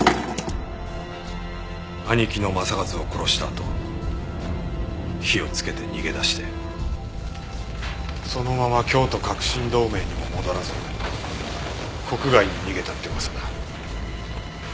兄貴の政一を殺したあと火をつけて逃げ出してそのまま京都革新同盟にも戻らず国外に逃げたって噂だ。